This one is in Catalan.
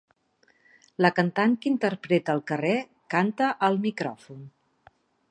La cantant que interpreta al carrer canta al micròfon.